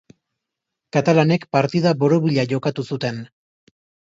Katalanek partida borobila jokatu zuten.